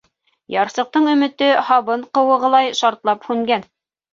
Ярсыҡтың өмөтө һабын ҡыуығылай шартлап һүнгән.